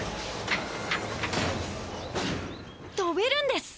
とべるんです！